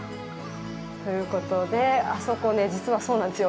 ということであそこね、実はそうなんですよ。